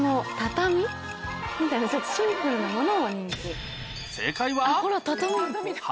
みたいなシンプルなもの。